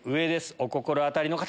お心当たりの方！